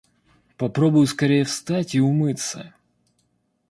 Попробую скорее встать и умыться.